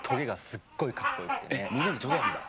むねにトゲあるんだ？